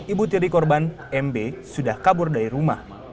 ibu tiri korban mb sudah kabur dari rumah